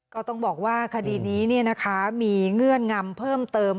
ก็ต้องบอกว่าคดีนี้มีเงื่อนงำเพิ่มเติม